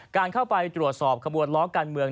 การเข้าไปตรวจสอบขบวนล้อการเมือง